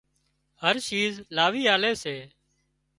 هر شيز لاوِي آلي سي